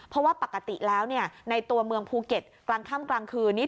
เพราะว่าปกติแล้วในตัวเมืองภูเก็ตกลางค่ำกลางคืนนี้